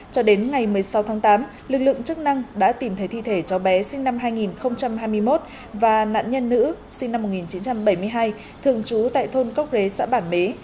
cho đến ngày một mươi sáu tháng tám lực lượng chức năng đã tìm thấy thi thể cháu bé sinh năm hai nghìn hai mươi một và nạn nhân nữ sinh năm một nghìn chín trăm bảy mươi hai thường trú tại thôn cốc rế xã bản bế